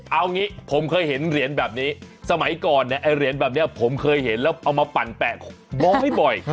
เอางี้ผมเคยเห็นเหรียญแบบนี้สมัยก่อนเนี่ยไอ้เหรียญแบบนี้ผมเคยเห็นแล้วเอามาปั่นแปะมองไม่บ่อย